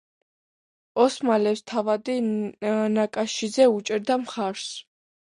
ოსმალებს თავადი ნაკაშიძე უჭერდა მხარს.